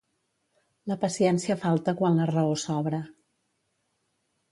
La paciència falta quan la raó sobra.